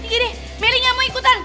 tante gini deh meli gak mau ikutan